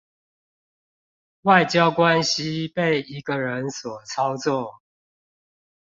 外交關係被一個人所操縱